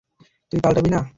তুই পাল্টাবি না?